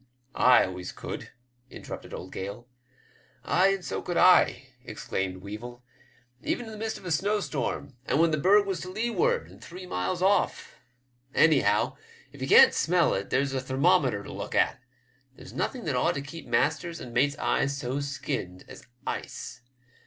" I always could," interrupted old Gale. "Ay, and so could I," exclaimed Weevil, "even in the midst of a snowstorm, and when the berg was to 184 WEEVWS LECTURE, leeward and three mile oflF. Anyhow, if ye can't smell it, there's the thermometer to look at. There's nothing that ought to keep masters'and mates' eyes so skinned as ice.